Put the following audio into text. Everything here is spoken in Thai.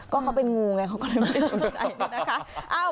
ก็เขาเป็นงูไงเขาก็เลยไม่สนใจนะคะ